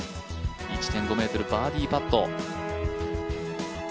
１．５ｍ、バーディーパット。